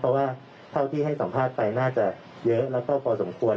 เพราะว่าเท่าที่ให้สัมภาษณ์ไปน่าจะเยอะแล้วก็พอสมควร